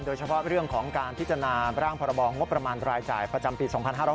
โดยเฉพาะเรื่องของการพิจารณาร่างพรบงบประมาณรายจ่ายประจำปี๒๕๕๙